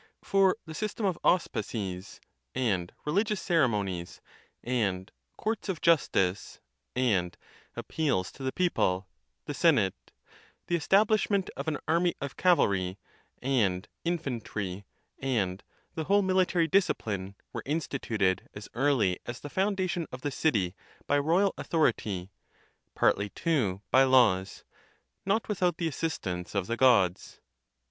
For the system of auspices, and religious ceremonies, and courts of justice, and appeals to the people, the senate, the establishment of an army of cayalry and infantry, and the whole military discipline, were instituted as early as the foundation of the city by royal authority, partly too by laws, not without the assistance of the Gods.